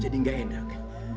jadi gak enak